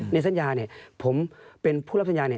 ในสัญญาผมเป็นผู้รับสัญญา